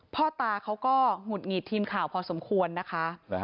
พ่อตาเขาก็หงุดหงิดทีมข่าวพอสมควรนะคะ